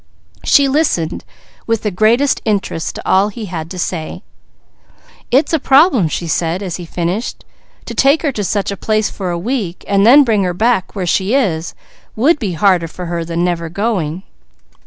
She listened with the greatest interest to all he had to say. "It's a problem," she said, as he finished. "To take her to such a place for a week, and then bring her back where she is, would be harder for her than never going."